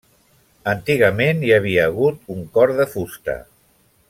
Antigament hi havia hagut un cor de fusta.